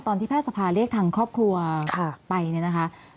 ตอนที่แพทย์สภาเรียกทางครอบครัวไปนะคะ